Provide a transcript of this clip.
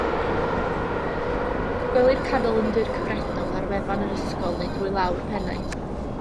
Gwelir calendr cyfredol ar wefan yr ysgol neu drwy law'r pennaeth